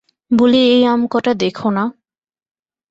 বলি এই আম কটা দেখো না?